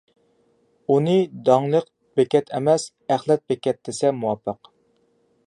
ئۇنى داڭلىق بېكەت ئەمەس، ئەخلەت بېكەت دېسە مۇۋاپىق.